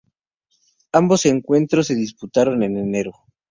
Ambos encuentros se disputaron en enero.